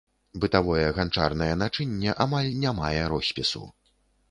Бытавое ганчарнае начынне амаль не мае роспісу.